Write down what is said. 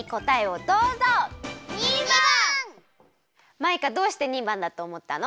マイカどうして２ばんだとおもったの？